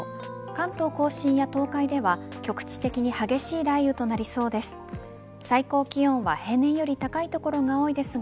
関東甲信や東海では局地的に激しい雷雨となりそうです。